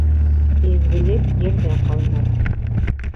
Изгелек ерҙә ҡалмаҫ.